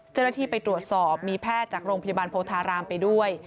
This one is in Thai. เจ้าหน้าที่ไปตรวจสอบมีแพทย์จากโรงพยาบาลโพธารามไปด้วย